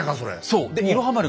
そう。